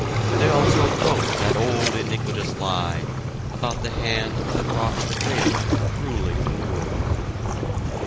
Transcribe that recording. They also quote that old iniquitous lie, about the hand that rocks the cradle ruling the world.